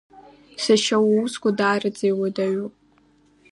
Сашьа уусқәа даараӡа иуадаҩуп!